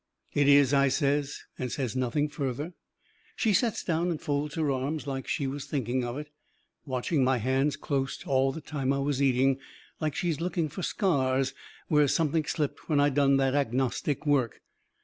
"It is," I says. And says nothing further. She sets down and folds her arms, like she was thinking of it, watching my hands closet all the time I was eating, like she's looking fur scars where something slipped when I done that agnostic work.